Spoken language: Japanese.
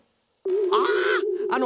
ああの